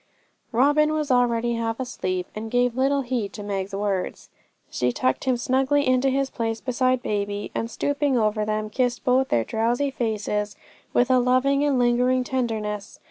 Robin was already half asleep, and gave little heed to Meg's words. She tucked him snugly into his place beside baby, and stooping over them, kissed both their drowsy faces with a loving and lingering tenderness.